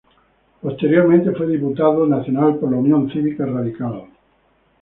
Posteriormente fue Diputado Nacional por la Unión Cívica Radical.